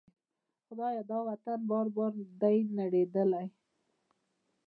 خدایه! دا وطن بار بار دی نړیدلی